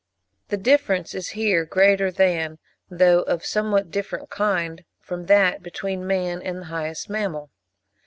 The difference is here greater than, though of a somewhat different kind from, that between man and the highest mammal.